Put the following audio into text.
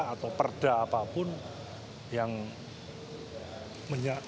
atau perda apapun yang bernuansa mengganggu kemajemukan bangsa